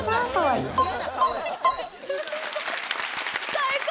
最高！